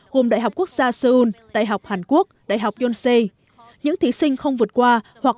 gồm đại học quốc gia seoul đại học hàn quốc đại học yonse những thí sinh không vượt qua hoặc